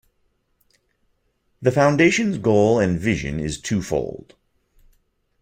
The Foundation's goal and vision is two-fold.